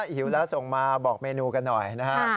หิวแล้วส่งมาบอกเมนูกันหน่อยนะฮะ